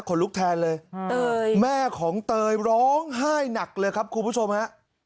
ลุกแทนเลยแม่ของเตยร้องไห้หนักเลยครับคุณผู้ชมฮะ